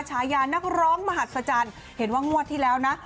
ฉายานักร้องมหัศจรรย์เห็นว่างวดที่แล้วนะ